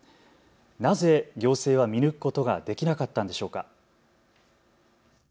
なぜ行政は見抜くことができなかったんでしょうか。